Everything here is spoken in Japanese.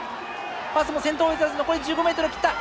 ファースも先頭を譲らず残り１５ｍを切った！